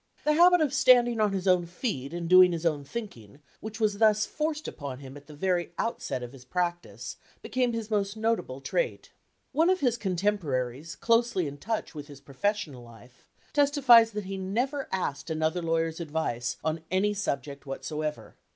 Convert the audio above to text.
The habit of standing on his own feet and doing his own thinking, which was thus forced upon him at the very outset of his practice, became his most no table trait. One of his contemporaries closely in touch with his professional life testifies that he never asked another lawyer's advice on any sub ject whatsoever.